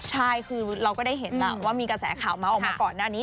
ใช่คือเราก็ได้เห็นล่ะว่ามีกระแสข่าวเมาส์ออกมาก่อนหน้านี้